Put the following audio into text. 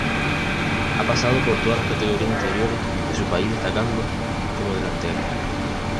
Ha pasado por todas las categorías inferiores de su país destacando como delantero.